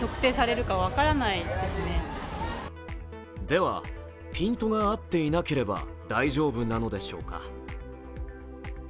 では、ピンとが合っていなければ大丈夫なのでしょうか。